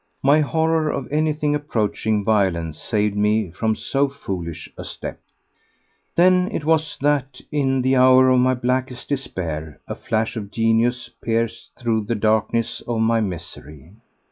My horror of anything approaching violence saved me from so foolish a step. Then it was that in the hour of my blackest despair a flash of genius pierced through the darkness of my misery.